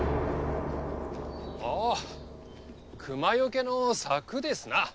あ熊よけの柵ですな。